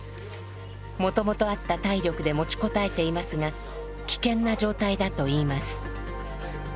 もともとあった体力で持ちこたえていますが危険な状態だといいます。